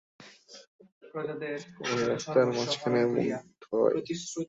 ওই রাস্তার মাঝখানে মুখ ধোয়?